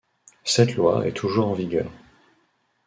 Cette loi est toujours en vigueur.